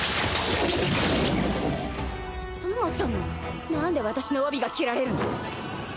そもそも何で私の帯が斬られるの？